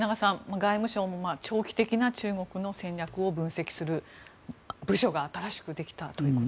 外務省も長期的な中国の戦略を分析する部署が新しくできたということですが。